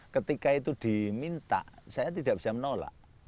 ketika itu diminta saya tidak bisa menolak